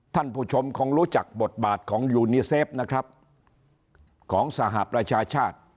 ท่านผู้ชมคงรู้จักบทบาทของยูนีเซฟนะครับของสหประชาชาติ